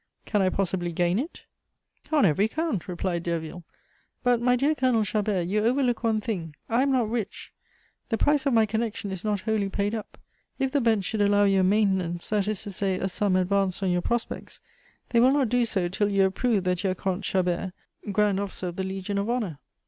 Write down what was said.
"Can I possibly gain it?" "On every count," replied Derville. "But, my dear Colonel Chabert, you overlook one thing. I am not rich; the price of my connection is not wholly paid up. If the bench should allow you a maintenance, that is to say, a sum advanced on your prospects, they will not do so till you have proved that you are Comte Chabert, grand officer of the Legion of Honor."